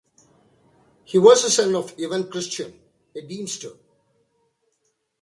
He was a son of Ewan Christian, a deemster.